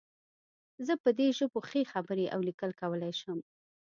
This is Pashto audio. زه په دې ژبو ښې خبرې او لیکل کولی شم